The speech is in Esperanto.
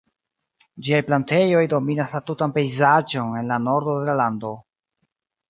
Ĝiaj plantejoj dominas la tutan pejzaĝon en la nordo de la lando.